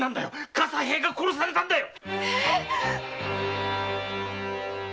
笠平が殺されたんだよ！